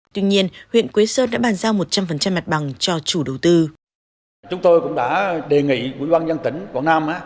tuy nhiên huyện quế sơn đã bàn giao một trăm linh mặt bằng cho chủ đầu tư